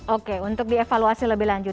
oke untuk dievaluasi lebih lanjut